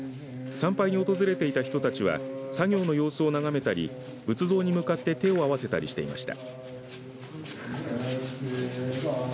参拝に訪れていた人たちは作業の様子を眺めたり仏像に向かって手を合わせたりしていました。